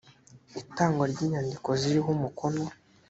itangwa ry’inyandiko ziriho umukono